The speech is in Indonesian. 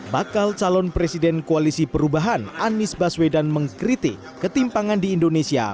bakal calon presiden koalisi perubahan anies baswedan mengkritik ketimpangan di indonesia